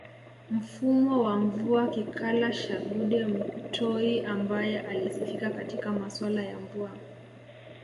Mfumwa wa Mvua Kikala Shaghude Mtoi ambaye alisifika katika masuala ya mvua